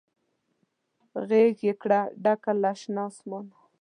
غیږ یې کړه ډکه له شنه اسمانه